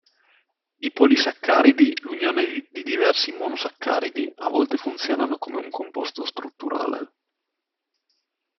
I polisaccaridi, l'unione di diversi monosaccaridi, a volte funzionano come un composto strutturale.